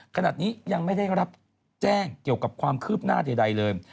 ขณะนี้ยังไม่ได้รับแจ้งเกี่ยวกับความคืบหน้าใดเลย